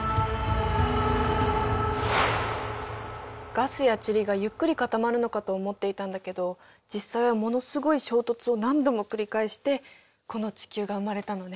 ガスや塵がゆっくり固まるのかと思っていたんだけど実際はものすごい衝突を何度も繰り返してこの地球が生まれたのね。